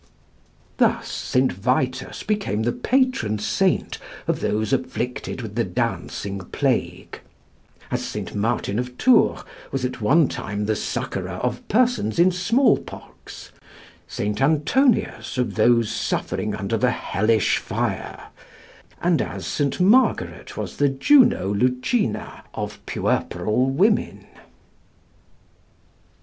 Thus St. Vitus became the patron saint of those afflicted with the Dancing Plague, as St. Martin of Tours was at one time the succourer of persons in small pox, St. Antonius of those suffering under the "hellish fire," and as St. Margaret was the Juno Lucina of puerperal women.